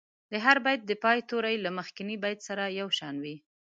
د هر بیت د پای توري له مخکني بیت سره یو شان وي.